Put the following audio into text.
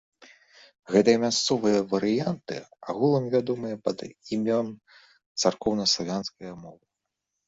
Гэтыя мясцовыя варыянты агулам вядомыя пад імем царкоўнаславянскае мовы.